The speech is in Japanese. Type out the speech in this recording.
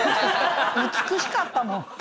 美しかったもん。